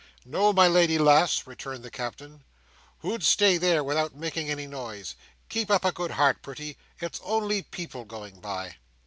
"No, my lady lass," returned the Captain. "Who'd stay there, without making any noise! Keep up a good heart, pretty. It's only people going by."